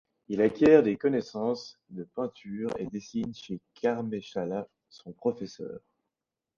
Il acquiert des connaissances de peinture et dessine chez Carme Sala, son professeur.